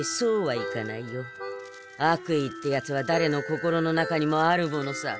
悪意ってやつはだれの心の中にもあるものさ。